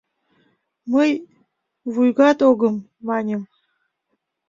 — Мый «вуйгат огым!» маньым.